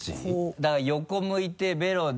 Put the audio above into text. だから横向いてベロで。